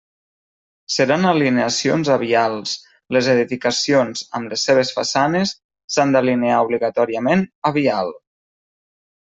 Seran alineacions a vials, les edificacions, amb les seves façanes, s'han d'alinear obligatòriament a vial.